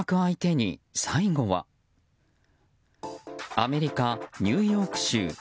アメリカ・ニューヨーク州。